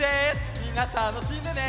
みんなたのしんでね。